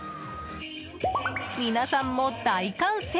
皆さんも大歓声！